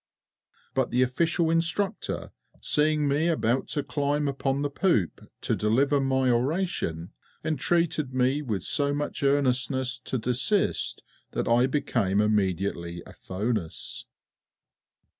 But the official instructor, seeing me about to climb upon the poop, to deliver my oration, entreated me with so much earnestness to desist that I became immediately aphonous.